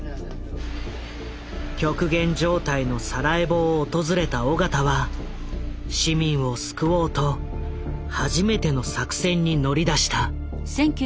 極限状態のサラエボを訪れた緒方は市民を救おうと初めての作戦に乗り出した。